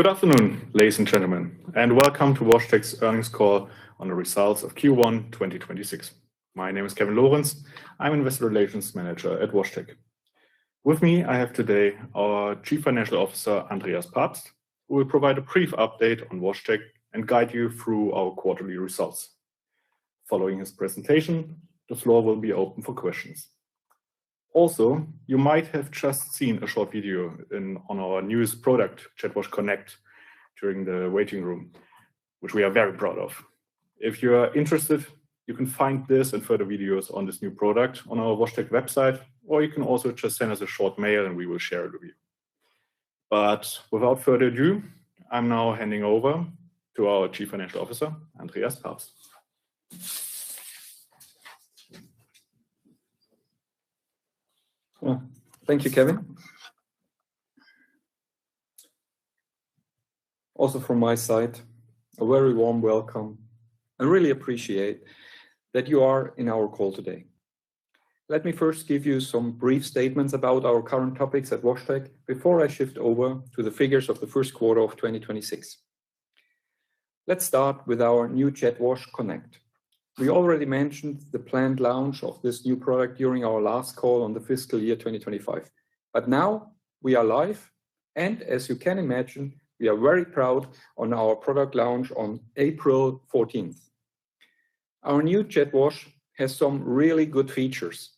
Good afternoon, ladies and gentlemen. Welcome to WashTec's Earnings Call on the Results of Q1 2026. My name is Kevin Lorenz. I'm Investor Relations Manager at WashTec. With me, I have today our Chief Financial Officer, Andreas Pabst, who will provide a brief update on WashTec and guide you through our quarterly results. Following his presentation, the floor will be open for questions. Also, you might have just seen a short video in, on our newest product, JetWash Connect, during the waiting room, which we are very proud of. If you are interested, you can find this and further videos on this new product on our WashTec website. You can also just send us a short mail, and we will share it with you. Without further ado, I'm now handing over to our Chief Financial Officer, Andreas Pabst. Thank you, Kevin. Also from my side, a very warm welcome. I really appreciate that you are in our call today. Let me first give you some brief statements about our current topics at WashTec before I shift over to the figures of the Q1 of 2026. Let's start with our new JetWash Connect. We already mentioned the planned launch of this new product during our last call on the fiscal year 2025. Now we are live, and as you can imagine, we are very proud on our product launch on April 14th. Our new JetWash has some really good features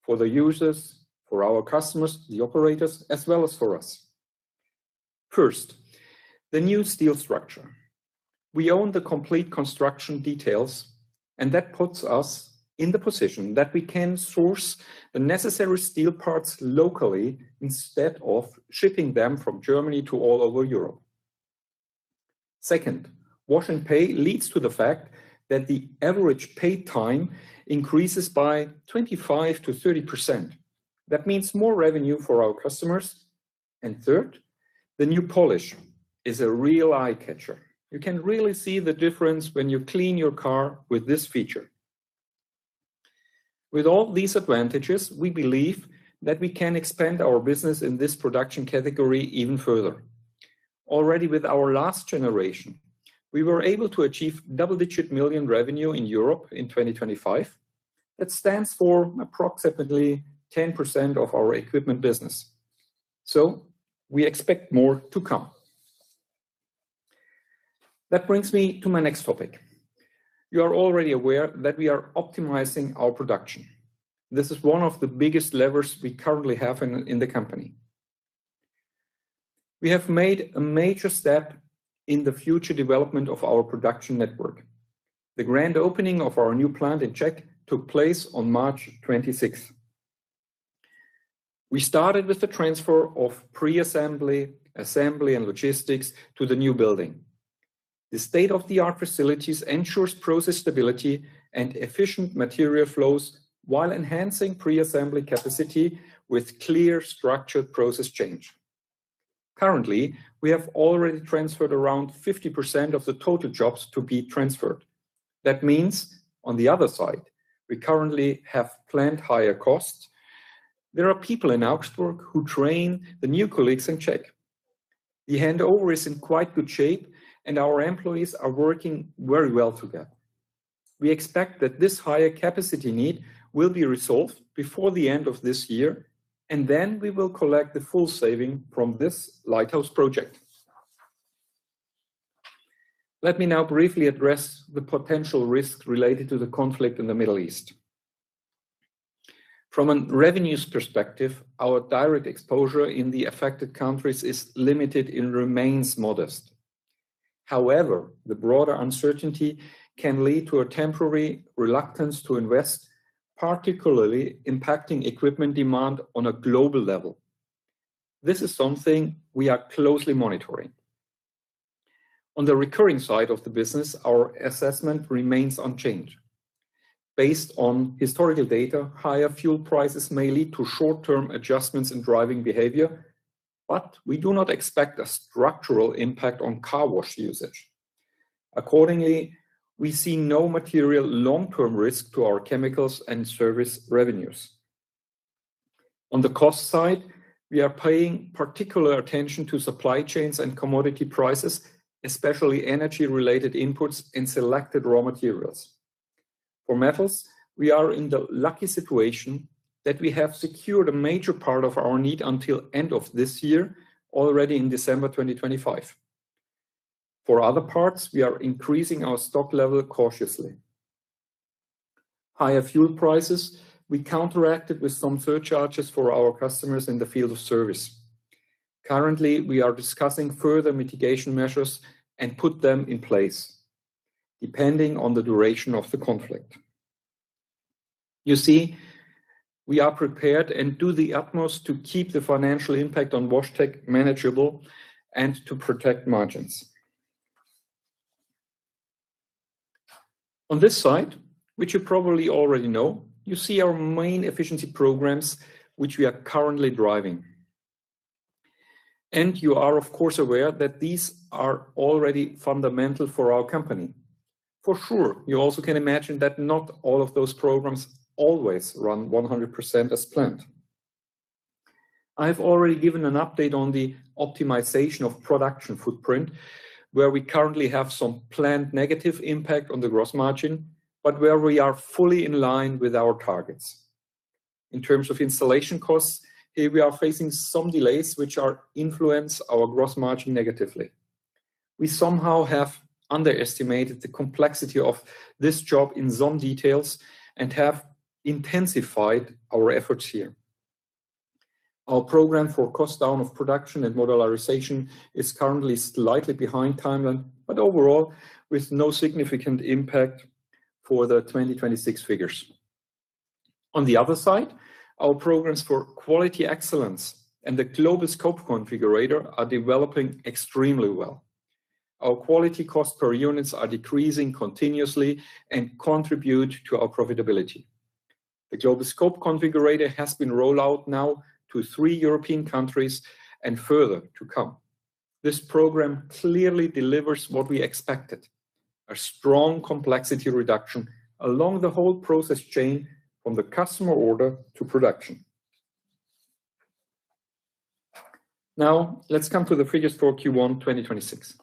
for the users, for our customers, the operators, as well as for us. First, the new steel structure. We own the complete construction details, that puts us in the position that we can source the necessary steel parts locally instead of shipping them from Germany to all over Europe. Second, Wash&Pay leads to the fact that the average pay time increases by 25%-30%. That means more revenue for our customers. Third, the new polish is a real eye-catcher. You can really see the difference when you clean your car with this feature. With all these advantages, we believe that we can expand our business in this production category even further. Already with our last generation, we were able to achieve double-digit million revenue in Europe in 2025. That stands for approximately 10% of our equipment business. We expect more to come. That brings me to my next topic. You are already aware that we are optimizing our production. This is one of the biggest levers we currently have in the company. We have made a major step in the future development of our production network. The grand opening of our new plant in Czech took place on March 26th. We started with the transfer of pre-assembly, assembly, and logistics to the new building. The state-of-the-art facilities ensure process stability and efficient material flows while enhancing pre-assembly capacity with clearly structured process change. Currently, we have already transferred around 50% of the total jobs to be transferred. That means on the other side, we currently have planned higher costs. There are people in Augsburg who train the new colleagues in Czech. The handover is in quite good shape, and our employees are working very well together. We expect that this higher capacity need will be resolved before the end of this year, and then we will collect the full saving from this lighthouse project. Let me now briefly address the potential risks related to the conflict in the Middle East. From a revenues perspective, our direct exposure in the affected countries is limited and remains modest. However, the broader uncertainty can lead to a temporary reluctance to invest, particularly impacting equipment demand on a global level. This is something we are closely monitoring. On the recurring side of the business, our assessment remains unchanged. Based on historical data, higher fuel prices may lead to short-term adjustments in driving behavior, but we do not expect a structural impact on car wash usage. Accordingly, we see no material long-term risk to our chemicals and service revenues. On the cost side, we are paying particular attention to supply chains and commodity prices, especially energy-related inputs in selected raw materials. For metals, we are in the lucky situation that we have secured a major part of our need until end of this year, already in December 2025. For other parts, we are increasing our stock level cautiously. Higher fuel prices, we counteracted with some surcharges for our customers in the field of service. Currently, we are discussing further mitigation measures and put them in place depending on the duration of the conflict. You see, we are prepared and do the utmost to keep the financial impact on WashTec manageable and to protect margins. On this side, which you probably already know, you see our main efficiency programs which we are currently driving. You are of course aware that these are already fundamental for our company. For sure, you also can imagine that not all of those programs always run 100% as planned. I have already given an update on the optimization of production footprint, where we currently have some planned negative impact on the gross margin, but where we are fully in line with our targets. In terms of installation costs, here we are facing some delays which are influence our gross margin negatively. We somehow have underestimated the complexity of this job in some details and have intensified our efforts here. Our program for cost down of production and modularization is currently slightly behind timeline, but overall with no significant impact for the 2026 figures. On the other side, our programs for quality excellence and the Global Scope Configurator are developing extremely well. Our quality cost per units are decreasing continuously and contribute to our profitability. The Global Scope Configurator has been rolled out now to three European countries and further to come. This program clearly delivers what we expected, a strong complexity reduction along the whole process chain from the customer order to production. Let's come to the figures for Q1 2026.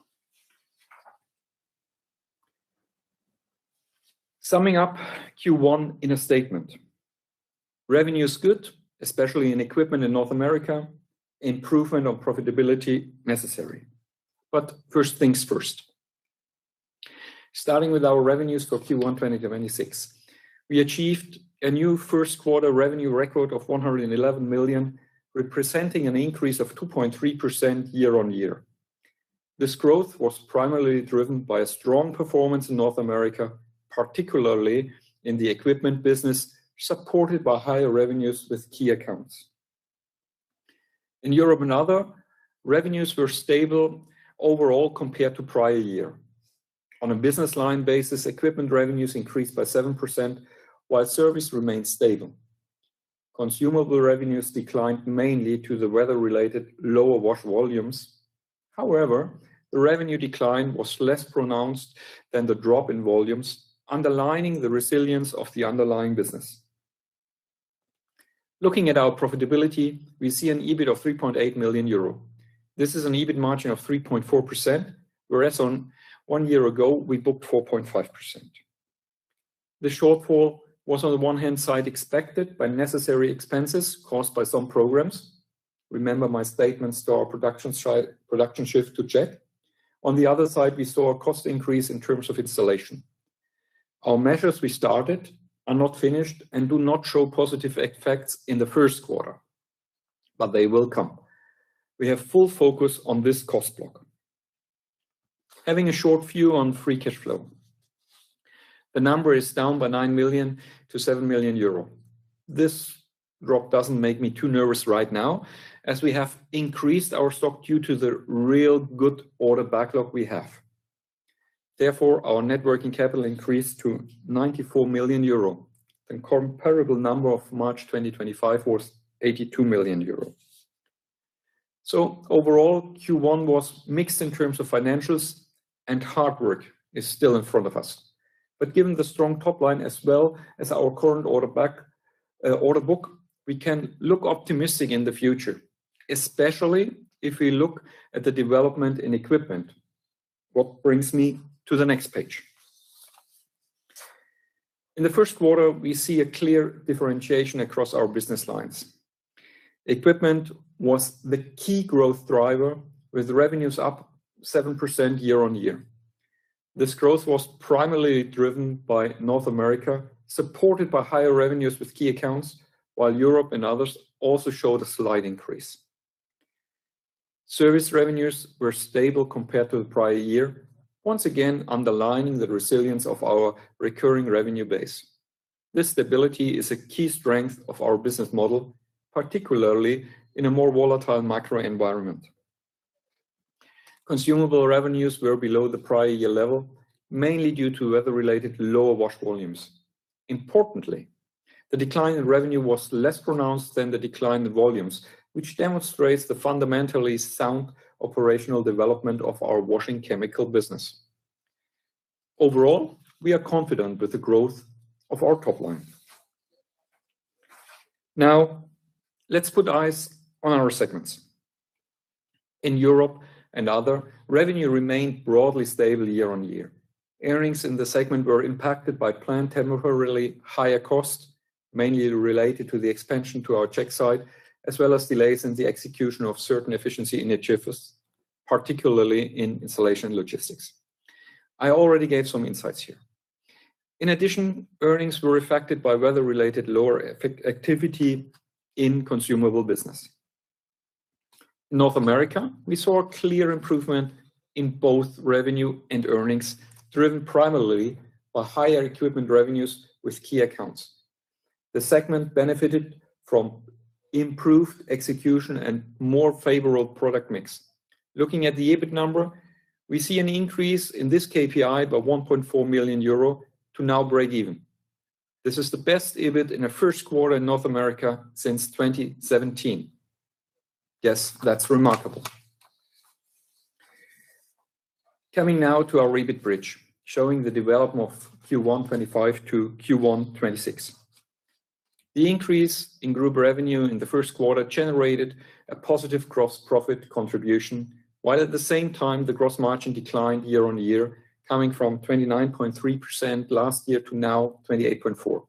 Summing up Q1 in a statement. Revenue is good, especially in equipment in North America. Improvement of profitability necessary. First things first. Starting with our revenues for Q1 2026. We achieved a new Q1 revenue record of 111 million, representing an increase of 2.3% year-on-year. This growth was primarily driven by a strong performance in North America, particularly in the equipment business, supported by higher revenues with key accounts. In Europe and other, revenues were stable overall compared to prior year. On a business line basis, equipment revenues increased by 7%, while service remained stable. Consumable revenues declined mainly to the weather-related lower wash volumes. However, the revenue decline was less pronounced than the drop in volumes, underlining the resilience of the underlying business. Looking at our profitability, we see an EBIT of 3.8 million euro. This is an EBIT margin of 3.4%, whereas on one year ago, we booked 4.5%. The shortfall was on the one hand side expected by necessary expenses caused by some programs. Remember my statement to our production shift to Czech. On the other side, we saw a cost increase in terms of installation. Our measures we started are not finished and do not show positive effects in the Q1, they will come. We have full focus on this cost block. Having a short view on free cash flow. The number is down by 9 million-7 million euro. This drop doesn't make me too nervous right now as we have increased our stock due to the real good order backlog we have. Our net working capital increased to 94 million euro. The comparable number of March 2025 was 82 million euro. Overall, Q1 was mixed in terms of financials and hard work is still in front of us. Given the strong top line as well as our current order book, we can look optimistic in the future, especially if we look at the development in equipment. What brings me to the next page. In the Q1, we see a clear differentiation across our business lines. Equipment was the key growth driver with revenues up 7% year-on-year. This growth was primarily driven by North America, supported by higher revenues with key accounts, while Europe and others also showed a slight increase. Service revenues were stable compared to the prior year, once again underlining the resilience of our recurring revenue base. This stability is a key strength of our business model, particularly in a more volatile macro environment. Consumable revenues were below the prior year level, mainly due to weather-related lower wash volumes. Importantly, the decline in revenue was less pronounced than the decline in volumes, which demonstrates the fundamentally sound operational development of our washing chemical business. Overall, we are confident with the growth of our top line. Let's put eyes on our segments. In Europe and Other, revenue remained broadly stable year-on-year. Earnings in the segment were impacted by planned temporarily higher costs, mainly related to the expansion to our Czech site, as well as delays in the execution of certain efficiency initiatives, particularly in installation logistics. I already gave some insights here. In addition, earnings were affected by weather-related lower activity in consumable business. In North America, we saw a clear improvement in both revenue and earnings, driven primarily by higher equipment revenues with key accounts. The segment benefited from improved execution and more favorable product mix. Looking at the EBIT number, we see an increase in this KPI by 1.4 million euro to now break even. This is the best EBIT in a Q1 in North America since 2017. Yes, that's remarkable. Coming now to our EBIT bridge, showing the development of Q1 2025 to Q1 2026. The increase in group revenue in the Q1 generated a positive gross profit contribution, while at the same time the gross margin declined year-on-year coming from 29.3% last year to now 28.4%.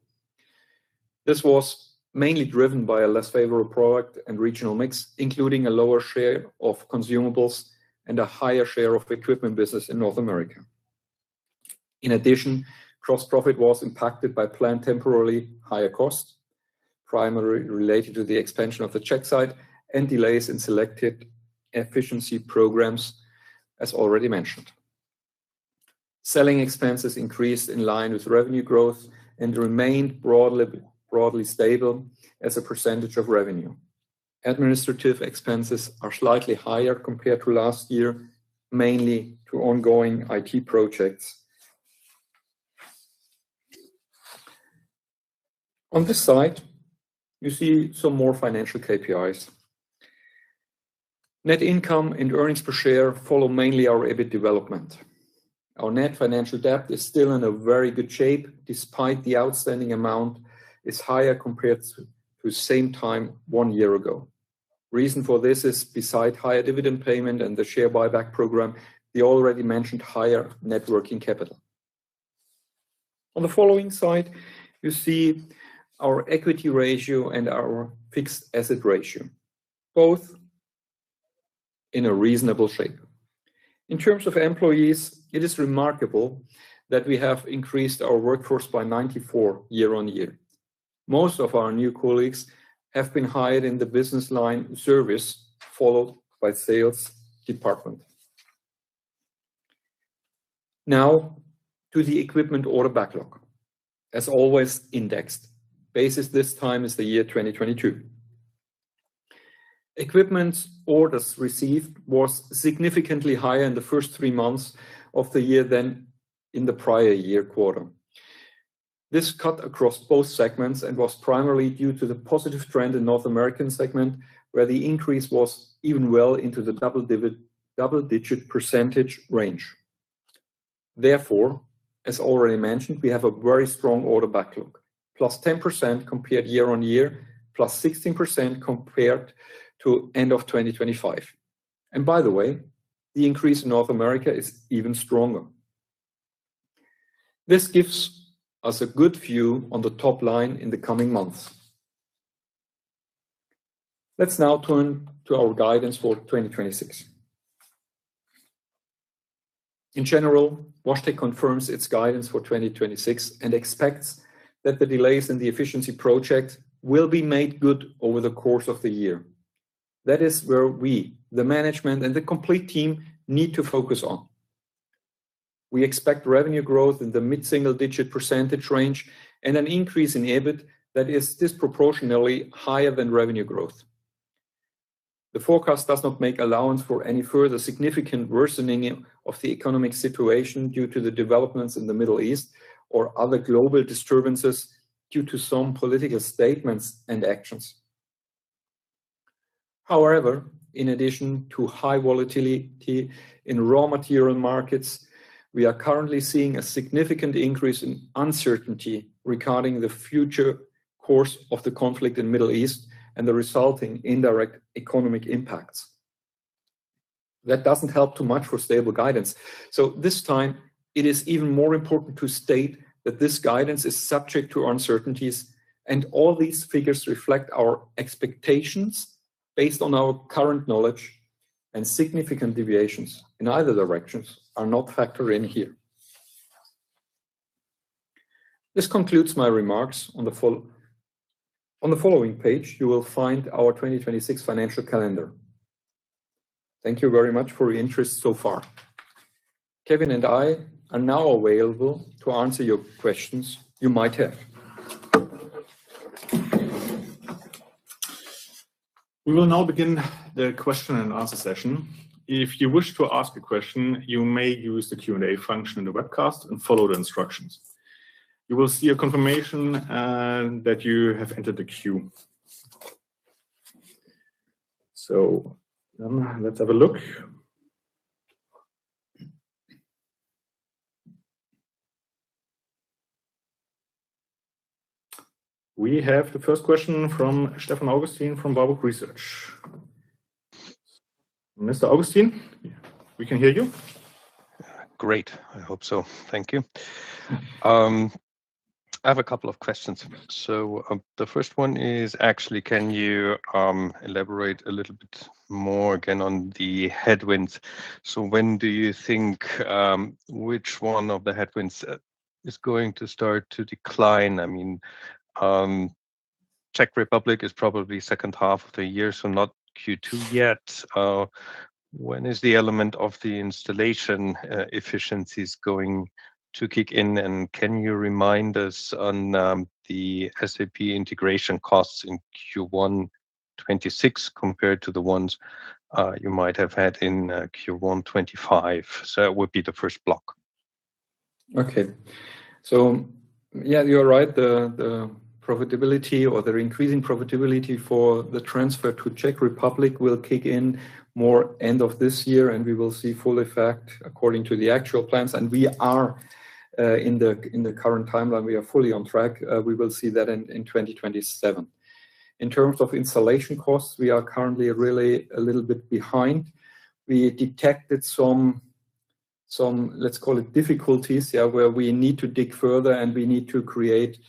This was mainly driven by a less favorable product and regional mix, including a lower share of consumables and a higher share of equipment business in North America. In addition, gross profit was impacted by planned temporarily higher costs, primarily related to the expansion of the Czech site and delays in selected efficiency programs as already mentioned. Selling expenses increased in line with revenue growth and remained broadly stable as a percentage of revenue. Administrative expenses are slightly higher compared to last year, mainly to ongoing IT projects. On this slide, you see some more financial KPIs. Net income and earnings per share follow mainly our EBIT development. Our net financial debt is still in a very good shape despite the outstanding amount is higher compared to same time one year ago. Reason for this is beside higher dividend payment and the share buyback program, the already mentioned higher net working capital. On the following slide, you see our equity ratio and our fixed asset ratio, both in a reasonable shape. In terms of employees, it is remarkable that we have increased our workforce by 94 year-on-year. Most of our new colleagues have been hired in the business line service, followed by sales department. To the equipment order backlog. As always, indexed. Basis this time is the year 2022. Equipment orders received was significantly higher in the first three months of the year than in the prior year quarter. This cut across both segments and was primarily due to the positive trend in North American segment, where the increase was even well into the double-digit percentage range. As already mentioned, we have a very strong order backlog, +10% compared year-over-year, +16% compared to end of 2025. By the way, the increase in North America is even stronger. This gives us a good view on the top line in the coming months. Let's now turn to our guidance for 2026. In general, WashTec confirms its guidance for 2026 and expects that the delays in the efficiency project will be made good over the course of the year. That is where we, the management and the complete team, need to focus on. We expect revenue growth in the mid-single digit percentage range and an increase in EBIT that is disproportionately higher than revenue growth. The forecast does not make allowance for any further significant worsening of the economic situation due to the developments in the Middle East or other global disturbances due to some political statements and actions. However, in addition to high volatility in raw material markets, we are currently seeing a significant increase in uncertainty regarding the future course of the conflict in Middle East and the resulting indirect economic impacts. That doesn't help too much for stable guidance. This time it is even more important to state that this guidance is subject to uncertainties and all these figures reflect our expectations based on our current knowledge and significant deviations in either directions are not factored in here. This concludes my remarks. On the following page, you will find our 2026 financial calendar. Thank you very much for your interest so far. Kevin and I are now available to answer your questions you might have. We will now begin the question and answer session. If you wish to ask a question, you may use the Q&A function in the webcast and follow the instructions. You will see a confirmation that you have entered the queue. Let's have a look. We have the first question from Stefan Augustin from Warburg Research. Mr. Augustin, we can hear you. Great. I hope so. Thank you. I have a couple of questions. The first one is actually can you elaborate a little bit more again on the headwinds? When do you think which one of the headwinds is going to start to decline? I mean, Czech Republic is probably second half of the year, so not Q2 yet. When is the element of the installation efficiencies going to kick in? And can you remind us on the SAP integration costs in Q1 2026 compared to the ones you might have had in Q1 2025? That would be the first block. Okay. Yeah, you're right. The profitability or the increasing profitability for the transfer to Czech Republic will kick in more end of this year, we will see full effect according to the actual plans. We are in the current timeline, we are fully on track. We will see that in 2027. In terms of installation costs, we are currently really a little bit behind. We detected some, let's call it difficulties, where we need to dig further and we need to create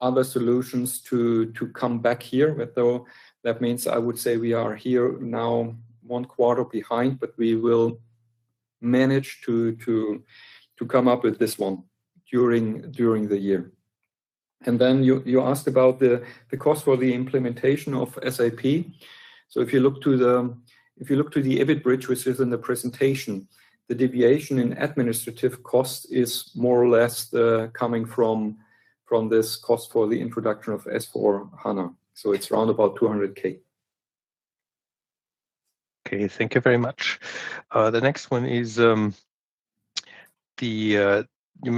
other solutions to come back here. Though that means I would say we are here now one quarter behind, but we will manage to come up with this one during the year. Then you asked about the cost for the implementation of SAP. If you look to the EBIT bridge, which is in the presentation, the deviation in administrative cost is more or less coming from this cost for the introduction of S/4HANA. It's around about 200,000. Okay. Thank you very much. The next one is, you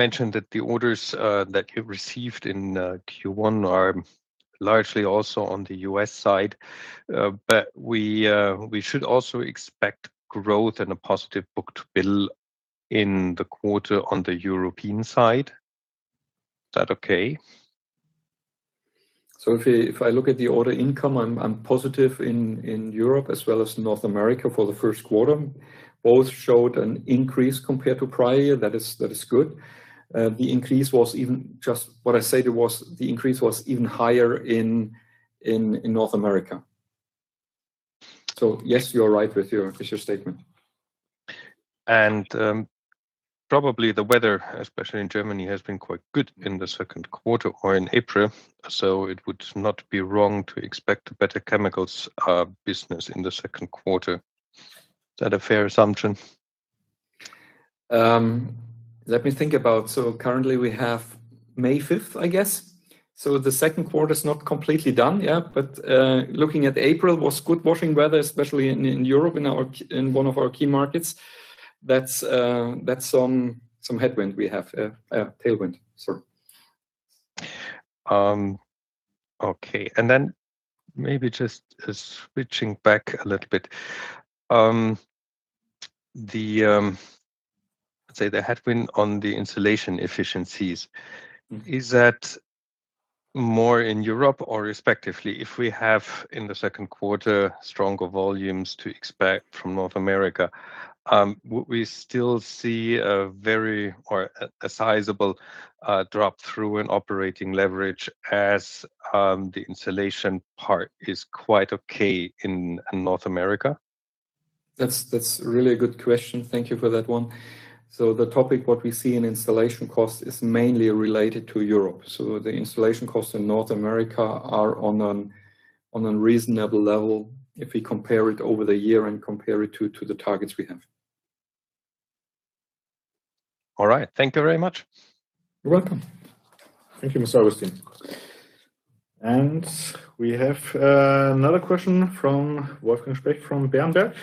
mentioned that the orders that you received in Q1 are largely also on the U.S. side. But we should also expect growth and a positive book-to-bill in the quarter on the European side. Is that okay? If I look at the order income, I'm positive in Europe as well as North America for the Q1. Both showed an increase compared to prior year. That is good. The increase was even just what I said it was. The increase was even higher in North America. Yes, you are right with your statement. Probably the weather, especially in Germany, has been quite good in the Q2 or in April. It would not be wrong to expect a better chemicals business in the Q2. Is that a fair assumption? Let me think about. Currently we have May 5th, I guess. The Q2 is not completely done. Yeah. Looking at April was good washing weather, especially in Europe, in one of our key markets. That's some headwind we have. Tailwind, sorry. Okay. Maybe just switching back a little bit. The, let's say the headwind on the installation efficiencies. Is that more in Europe or respectively if we have in the Q2 stronger volumes to expect from North America, would we still see a sizable drop through in operating leverage as the installation part is quite okay in North America? That's really a good question. Thank you for that one. The topic what we see in installation costs is mainly related to Europe. The installation costs in North America are on a reasonable level if we compare it over the year and compare it to the targets we have. All right. Thank you very much. You're welcome. Thank you, Mr. Augustin. We have another question from Wolfgang Specht from Berenberg.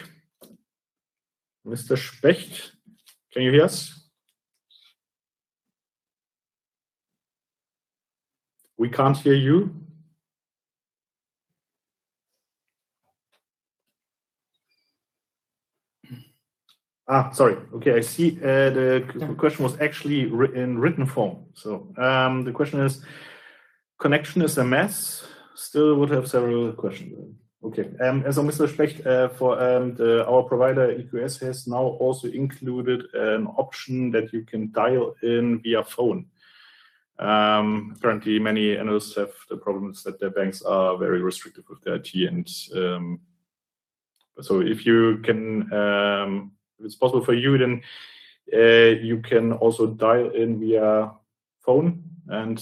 Mr. Specht, can you hear us? We can't hear you. Sorry. Okay, I see the question was actually in written form. The question is, connection is a mess. Still would have several questions. Okay. As Mr. Specht, for our provider, EQS, has now also included an option that you can dial in via phone. Apparently many analysts have the problems that their banks are very restrictive with their IT. If you can, if it's possible for you, then you can also dial in via phone and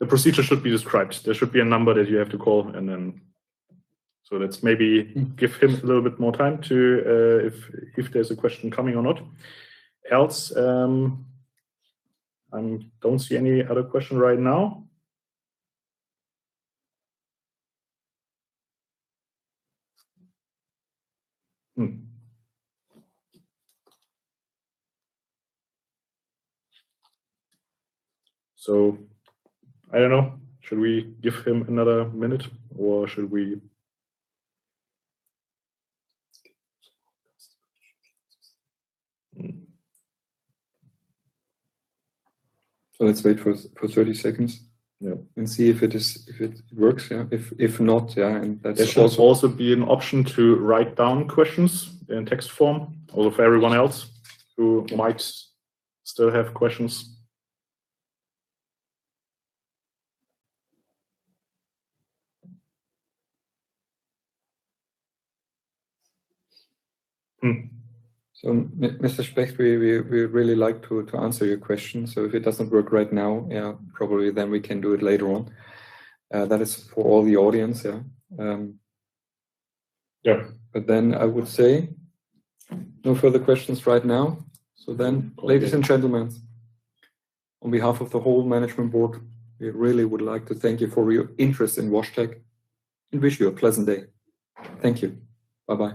the procedure should be described. There should be a number that you have to call. Let's maybe give him a little bit more time to, if there's a question coming or not. Else, I don't see any other question right now. I don't know. Should we give him another minute or should we- Let's wait for 30 seconds. Yeah. See if it works. Yeah. If not, yeah. There should also be an option to write down questions in text form, although for everyone else who might still have questions. Mr. Specht, we really like to answer your question. If it doesn't work right now, yeah, probably then we can do it later on. That is for all the audience. Yeah. Yeah. I would say no further questions right now. Ladies and gentlemen, on behalf of the whole management board, we really would like to thank you for your interest in WashTec and wish you a pleasant day. Thank you. Bye-bye.